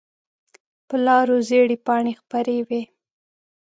په لارو زېړې پاڼې خپرې وي